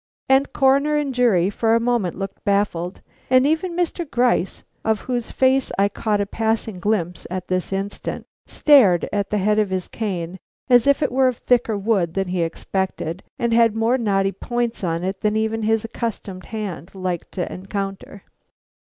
And Coroner and jury for a moment looked baffled, and even Mr. Gryce, of whose face I caught a passing glimpse at this instant, stared at the head of his cane, as if it were of thicker wood than he expected and had more knotty points on it than even his accustomed hand liked to encounter.